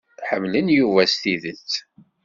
Ḥemmlen Yuba s tidet.